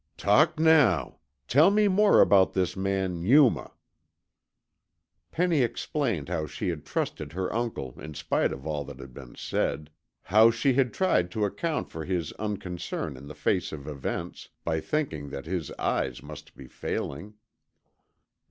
"Talk now. Tell me more about this man, Yuma." Penny explained how she had trusted her uncle in spite of all that had been said, how she had tried to account for his unconcern in the face of events, by thinking that his eyes must be failing.